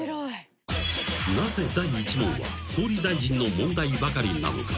［なぜ第１問は総理大臣の問題ばかりなのか？］